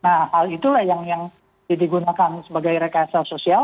nah hal itulah yang digunakan sebagai rekayasa sosial